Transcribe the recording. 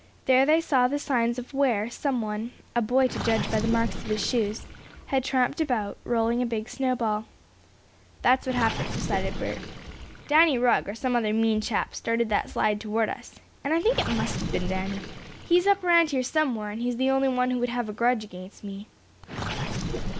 There they saw the signs of where, some one a boy to judge by the marks of his shoes had tramped about, rolling a big snowball. "That's what happened," decided Bert. "Danny Rugg, or some other mean chap, started that slide toward us. And I think it must have been Danny. He's up around here somewhere, and he's the only one who would have a grudge against me."